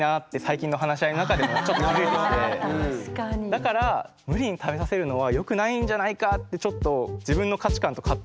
だから無理に食べさせるのはよくないんじゃないかってちょっとへ。